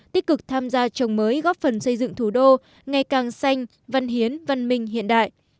tích cực tham gia trồng mới góp phần xây dựng thủ đô ngày càng xanh văn hiến văn minh hiện đại